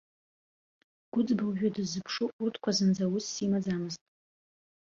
Гәыӡба уажәы дыззыԥшу, урҭқәа зынӡа усс имаӡамызт.